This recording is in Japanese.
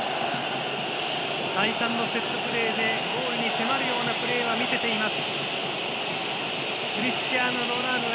再三のセットプレーでゴールに迫るようなプレーは見せています。